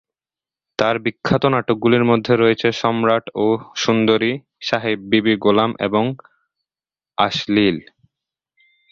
তার বিখ্যাত নাটকগুলির মধ্যে রয়েছে সম্রাট ও সুন্দরী, সাহেব বিবি গোলাম, এবং আশলিল।